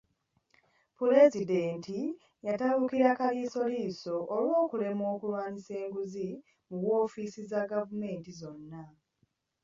Pulezidenti yatabukira Kaliisoliiso olw’okulemwa okulwanyisa enguzi mu woofiisi za gavumenti zonna.